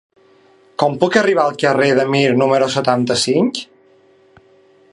Com puc arribar al carrer de Mir número setanta-cinc?